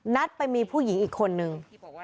นัดไปมีผู้หญิงอีกคนนึง